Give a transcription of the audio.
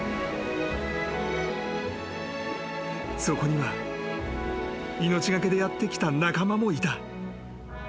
［そこには命懸けでやって来た仲間もいた］